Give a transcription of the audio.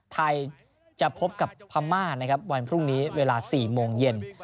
ไทยจะพบกับพม่านะครับวันพรุ่งนี้เวลา๔โมงเย็น